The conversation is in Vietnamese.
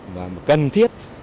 mà cần thiết